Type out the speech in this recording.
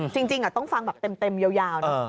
เอานี้จริงอะต้องฟังแบบเต็มยาวเนี้ย